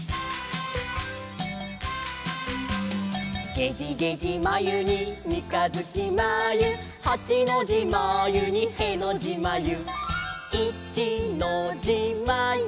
「げじげじまゆにみかづきまゆ」「はちのじまゆにへのじまゆ」「いちのじまゆに」